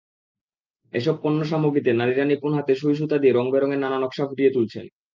এসব পণ্যসামগ্রীতে নারীরা নিপুণ হাতে সুঁই-সুতা দিয়ে রংবেরঙের নানা নকশা ফুটিয়ে তুলছেন।